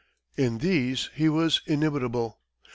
In these he was inimitable.